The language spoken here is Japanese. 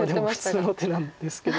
でも普通の手なんですけど。